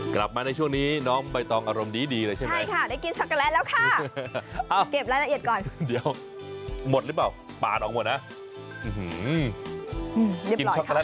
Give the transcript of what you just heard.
กลับมาในช่วงนี้น้องใบตองอารมณ์ดีเลยใช่อย่างนั้นได้กินช็อกโกแลต